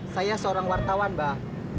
saya seorang wartawan mbah